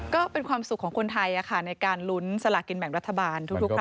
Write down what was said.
ก็เป็นความสุขของคนไทยในการลุ้นสลากินแบ่งรัฐบาลทุกครั้ง